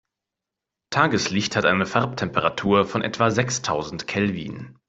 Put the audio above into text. Tageslicht hat eine Farbtemperatur von etwa sechstausend Kelvin.